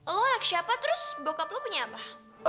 oh anak siapa terus bokap lo punya apa